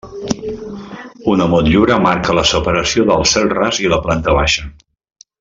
Una motllura marca la separació del cel ras i la planta baixa.